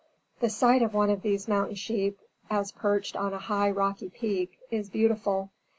The sight of one of these mountain sheep, as perched on a high, rocky peak, is beautiful.